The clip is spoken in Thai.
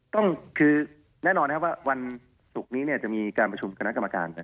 ต้องคือแน่นอนว่าวันศุกร์นี้เนี่ยจะมีการผสมกับนักกรรมการนะครับ